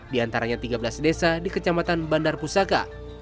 di antaranya tiga belas desa di kecamatan bandar pusaka